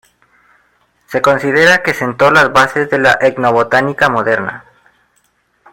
Se considera que sentó las bases de la etnobotánica moderna.